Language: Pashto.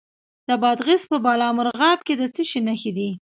د بادغیس په بالامرغاب کې د څه شي نښې دي؟